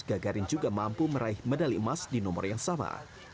gagarin juga mampu meraih medali emas di nomor yang sama